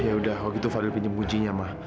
yaudah kalau gitu fadil pinjam kuncinya ma